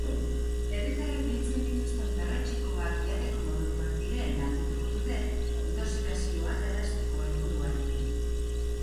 Herritarrek biltzen dituzten perretxikoak jateko modukoak diren argituko dute, intoxikazioak galarazteko helburuarekin.